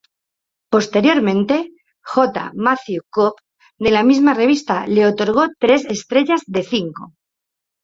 Posteriormente, J Matthew Cobb de la misma revista le otorgó tres estrellas de cinco.